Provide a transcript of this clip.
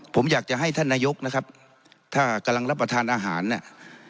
ผมอยากจะให้ท่านนายกนะครับถ้ากำลังรับประทานอาหารเนี่ย